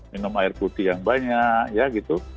minum air putih yang banyak ya gitu